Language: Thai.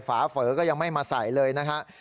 ฝาเฝอก็ยังไม่มาใส่เลยนะฮะ